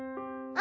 「あ！」